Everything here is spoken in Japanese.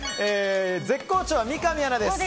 絶好調は三上アナです。